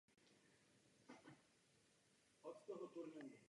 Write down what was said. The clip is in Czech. Vážně poškozená rajčata ztrácejí obchodní hodnotu.